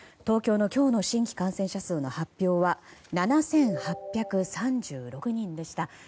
東京の今日の新規感染者数の発表は７８３６人でした。